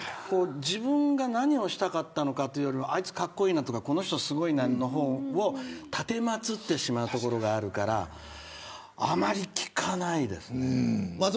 自分が何をしたかったのかというよりもあいつ、かっこいいなとかこの人すごいなの方を奉ってしまうところがあるからあまり聞かないですね。